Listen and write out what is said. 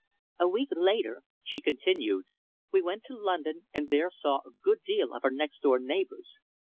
"A week later," she continued, "we went to London and there saw a good deal of our next door neighbours.